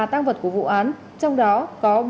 tăng vật của vụ án trong đó có